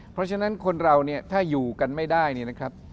เพราะฉะนั้นคนเราเนี่ยถ้าอยู่กันไม่ได้เนี่ยนะครับ